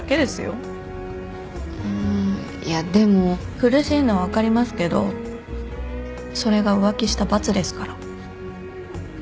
苦しいのは分かりますけどそれが浮気した罰ですから。